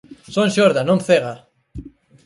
Son xorda, non cega!